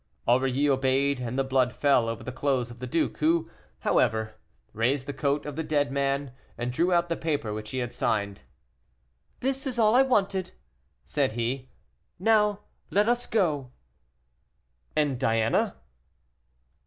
Aurilly obeyed, and the blood fell over the clothes of the duke, who, however, raised the coat of the dead man, and drew out the paper which he had signed. "This is all I wanted," said he; "so now let us go." "And Diana?"